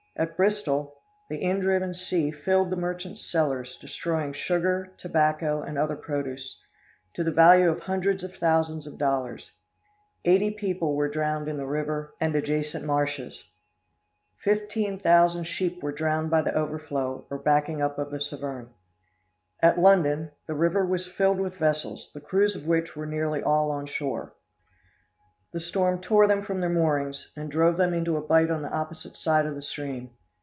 At Bristol, the in driven sea filled the merchants' cellars, destroying sugar, tobacco, and other produce, to the value of hundreds of thousands of dollars. Eighty people were drowned in the river and adjacent [Illustration: STORM ON THE SHOALS, 1703.] marshes; fifteen thousand sheep were drowned by the overflow or backing up of the Severn. At London, the river was filled with vessels, the crews of which were nearly all on shore. The storm tore them from their moorings, and drove them into a bight on the opposite side of the stream.